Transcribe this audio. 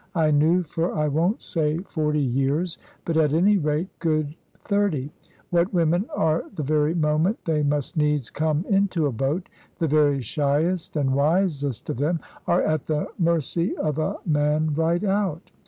I knew for I won't say forty years, but at any rate good thirty, what women are the very moment they must needs come into a boat. The very shyest and wisest of them are at the mercy of a man right out.